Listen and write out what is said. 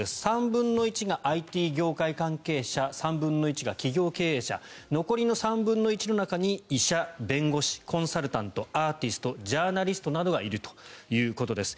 ３分の１がＩＴ業界関係者３分の１が企業経営者残りの３分の１の中に医者、弁護士コンサルタント、アーティストジャーナリストなどがいるということです。